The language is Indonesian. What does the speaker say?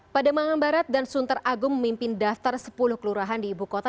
pademangan barat dan sunter agung memimpin daftar sepuluh kelurahan di ibu kota